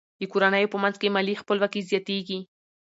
د کورنیو په منځ کې مالي خپلواکي زیاتیږي.